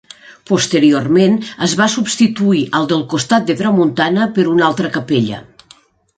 Posteriorment es va substituir el del costat de tramuntana per una altra capella.